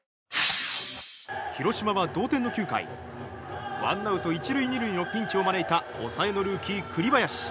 広島は同点の９回ワンアウト１塁２塁のピンチを招いた抑えのルーキー栗林。